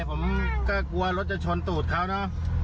ผมก็กลัวรถจะชนตูดเขาเนอะ